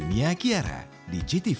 dunia kiara di gtv